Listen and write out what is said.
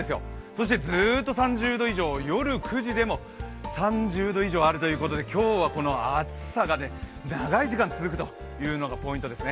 そしてずーっと３０度以上、夜９時でも３０度以上あるということで今日は暑さが長い時間続くというのがポイントです。